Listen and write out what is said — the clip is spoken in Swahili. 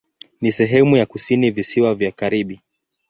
Ni sehemu ya kusini Visiwa vya Karibi.